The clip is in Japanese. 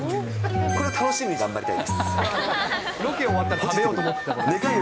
これを楽しみに頑張りたいです。